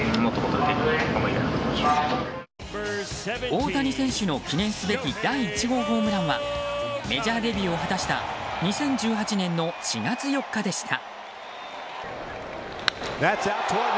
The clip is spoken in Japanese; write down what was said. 大谷選手の記念すべき第１号ホームランはメジャーリーグデビューを果たした２０１８年の４月４日でした。